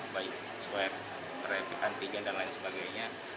baik swab repikan pijan dan lain sebagainya